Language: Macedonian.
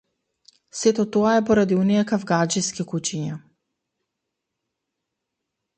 Сето тоа е поради оние кавгаџиски кучиња.